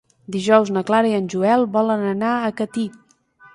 Dijous na Clara i en Joel volen anar a Catí.